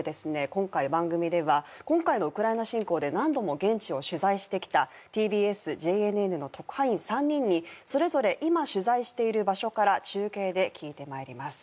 今回番組では今回のウクライナ侵攻で何度も現地を取材してきたＴＢＳＪＮＮの特派員３人にそれぞれ今取材している場所から中継で聞いてまいります